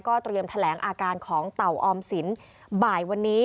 เตรียมแถลงอาการของเต่าออมสินบ่ายวันนี้